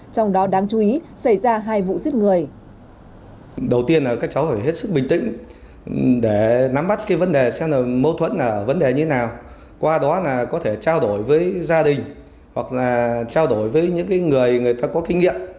trong đó đáng chú ý xảy ra hai vụ giết người